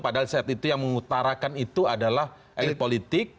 padahal saat itu yang mengutarakan itu adalah elit politik